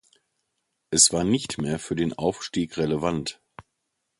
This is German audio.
Es war nicht mehr für den Aufstieg relevant.